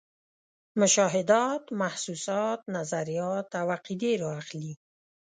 مشاهدات، محسوسات، نظریات او عقیدې را اخلي.